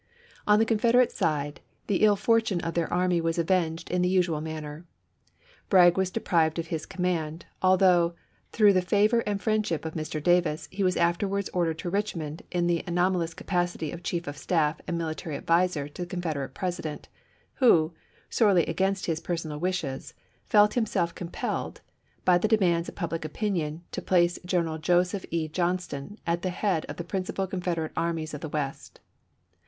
On the Confederate side the ill fortune of their army was avenged in the usual manner. Bragg was deprived of his command, al though, thi'ough the favor and friendship of Mr. Davis, he was afterwards ordered to Richmond in order of ^^® auomalous capacity of chief of staff and mili ^1864^*' tary adviser to the Confederate President, who, sorely against his personal wishes, felt himself compelled, by the demands of public opinion, to place General Joseph E. Johnston at the head of the principal Confederate armies of the West.